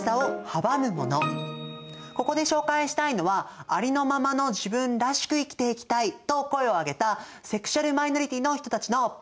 ここで紹介したいのはありのままの自分らしく生きていきたいと声を上げたセクシュアル・マイノリティーの人たちのパレード！